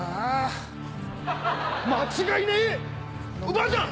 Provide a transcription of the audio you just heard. ばあちゃん！